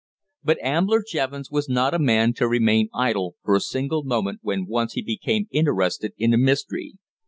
But Ambler Jevons was not a man to remain idle for a single moment when once he became interested in a mystery.